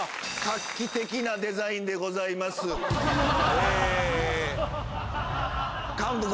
画期的なデザインでございますええー・